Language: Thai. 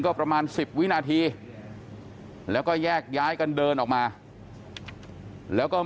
ก็ประมาณ๑๐วินาทีแล้วก็แยกย้ายกันเดินออกมาแล้วก็